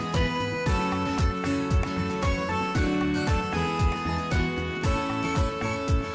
โปรดติดตามต่อไป